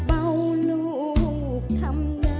เพลงที่สองเพลงมาครับ